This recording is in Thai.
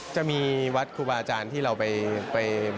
จะมีวัดครูบาอาจารย์ที่เราไป